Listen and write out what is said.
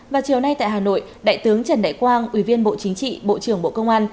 và chiều nay tại hà nội đại tướng trần đại quang ủy viên bộ chính trị bộ trưởng bộ công an